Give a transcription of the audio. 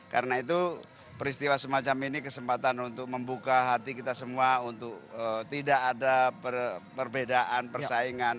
karena itu peristiwa semacam ini kesempatan untuk membuka hati kita semua untuk tidak ada perbedaan persaingan